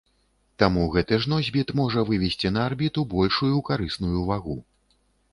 Таму гэты ж носьбіт можа вывесці на арбіту большую карысную вагу.